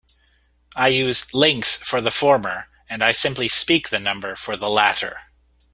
I use "links" for the former and I simply speak the number for the latter.